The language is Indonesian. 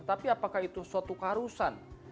tapi apakah itu suatu keharusan